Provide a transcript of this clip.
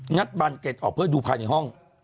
บันเกร็ดออกเพื่อดูภายในห้อง